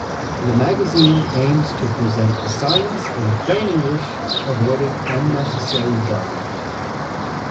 The magazine aims to present the science in plain English, avoiding unnecessary jargon.